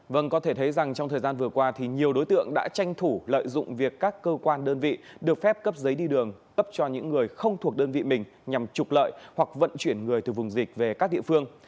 vâng có thể thấy rằng trong thời gian vừa qua thì nhiều đối tượng đã tranh thủ lợi dụng việc các cơ quan đơn vị được phép cấp giấy đi đường cấp cho những người không thuộc đơn vị mình nhằm trục lợi hoặc vận chuyển người từ vùng dịch về các địa phương